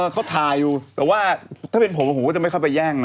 เขาถ่ายอยู่แต่ว่าถ้าเป็นผมผมก็จะไม่เข้าไปแย่งนะ